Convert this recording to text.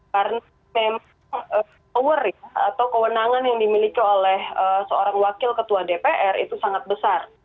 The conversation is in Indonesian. karena memang power ya atau kewenangan yang dimiliki oleh seorang wakil ketua dpr itu sangat besar